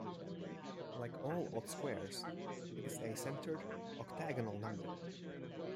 Like all odd squares, it is a centered octagonal number.